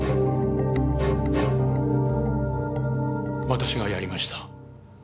私がやりました。